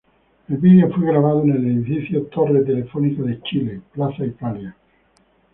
El vídeo fue grabado en el edificio Torre Telefónica de Chile, Plaza Italia.